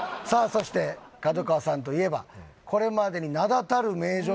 そして角川さんといえばこれまでにそうね